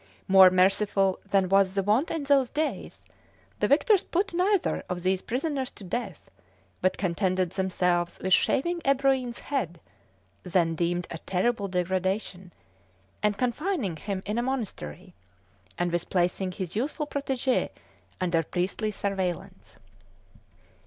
More merciful than was the wont in those days, the victors put neither of their prisoners to death, but contented themselves with shaving Ebroin's head then deemed a terrible degradation and confining him in a monastery, and with placing his youthful protégé under priestly surveillance.